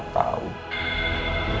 kamu bisa berhubungan dengan al